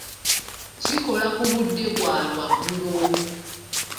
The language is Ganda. Kikola ku budde bwa lwaggulo.